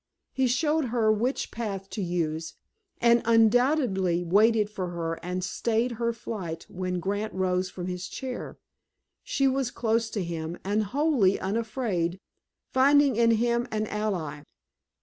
He showed her which path to use, and undoubtedly waited for her, and stayed her flight when Grant rose from his chair. She was close to him, and wholly unafraid, finding in him an ally.